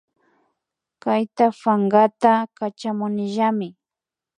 Kayta pankata Kachamunillami